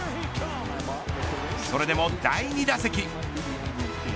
それでも第２打席。